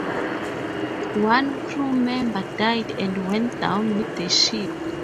One Crew member died and went down with the ship.